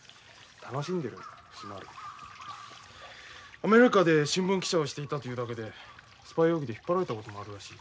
アメリカで新聞記者をしていたというだけでスパイ容疑で引っ張られたこともあるらしい。